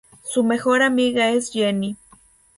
Su mejor amiga es Jenny.